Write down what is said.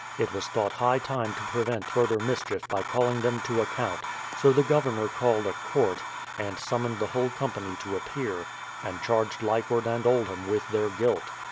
It was thought high time to prevent further mis chief by calling them to account; so the Governor called a court, and summoned the whole company to appear, and charged Lyford and Oldham with their guilt.